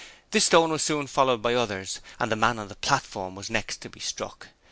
This stone was soon followed by others, and the man on the platform was the next to be struck.